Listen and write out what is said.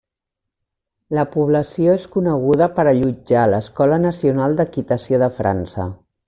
La població és coneguda per allotjar l'Escola Nacional d'Equitació de França.